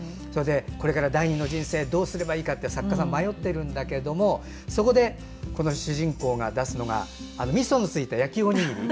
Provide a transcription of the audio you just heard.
これから第２の人生どうするか作家さん、迷ってるんだけどもそこでこの主人公が出すのがみそのついた焼きおにぎり。